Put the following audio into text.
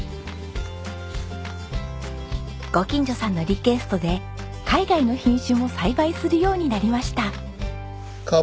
ご近所さんのリクエストで海外の品種も栽培するようになりました。